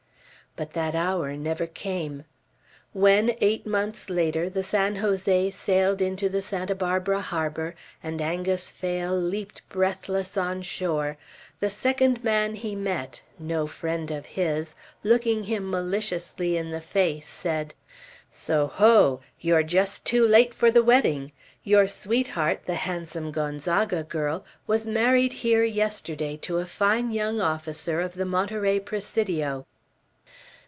But that hour never came. When, eight months later, the "San Jose" sailed into the Santa Barbara harbor, and Angus Phail leaped breathless on shore, the second man he met, no friend of his, looking him maliciously in the face, said. "So, ho! You're just too late for the wedding! Your sweetheart, the handsome Gonzaga girl, was married here, yesterday, to a fine young officer of the Monterey Presidio!"